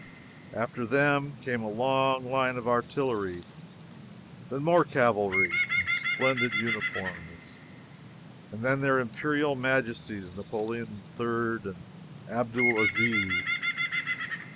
After them came a long line of artillery; then more cavalry, in splendid uniforms; and then their imperial majesties Napoleon III and Abdul Aziz.